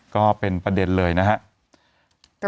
ก็เป็นประเด็นเลยนะครับ